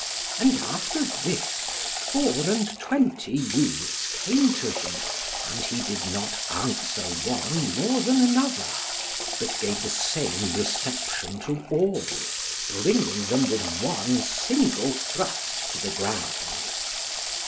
And after this, four and twenty youths came to him, and he did not answer one more than another, but gave the same reception to all, bringing them with one single thrust to the ground.